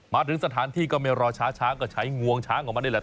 มาถึงสถานที่ก็ไม่รอช้าช้างก็ใช้งวงช้างออกมานี่แหละ